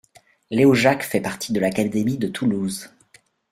Léojac fait partie de l'académie de Toulouse.